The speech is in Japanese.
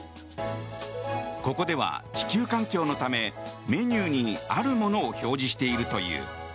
ここでは、地球環境のためメニューにあるものを表示しているという。